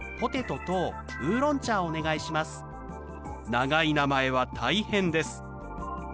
長い名前は大変です。